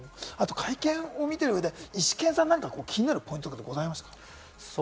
会見を見ている上でイシケンさん、気になるポイントとかございましたか？